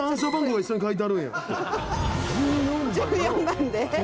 「１４番で」